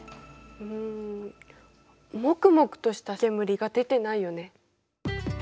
うんもくもくとした煙が出てないよね。